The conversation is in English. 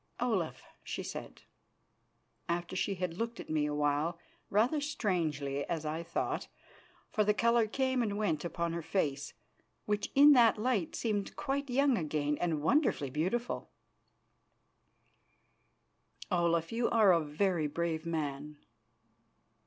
"Olaf," she said, after she had looked at me a while, rather strangely, as I thought, for the colour came and went upon her face, which in that light seemed quite young again and wonderfully beautiful, "Olaf, you are a very brave man."